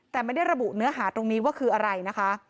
แต่ไม่ได้ระบุเนื้อหาตรงนี้ว่าคืออะไรนะคะ